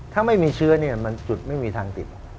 ถ้าไม่มีเชื้อมันจุดไม่มีทางติด